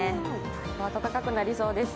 だいぶ暖かくなりそうです。